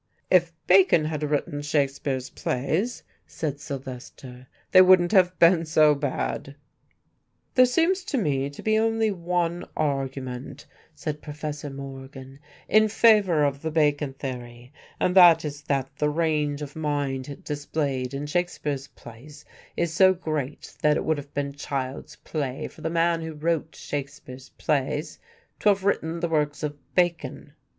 "If Bacon had written Shakespeare's plays," said Silvester, "they wouldn't have been so bad." "There seems to me to be only one argument," said Professor Morgan, "in favour of the Bacon theory, and that is that the range of mind displayed in Shakespeare's plays is so great that it would have been child's play for the man who wrote Shakespeare's plays to have written the works of Bacon."